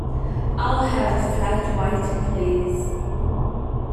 I'll have a flat white please.